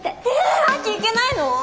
亜紀行けないの？